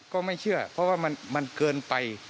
ก็ไม่เชื่อเพราะว่ามันเกินไป